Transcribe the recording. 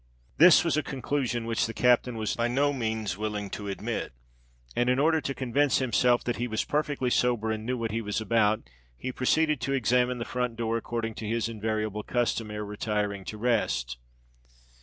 This was a conclusion which the captain was by no means willing to admit; and, in order to convince himself that he was perfectly sober and knew what he was about, he proceeded to examine the front door according to his invariable custom ere retiring to rest.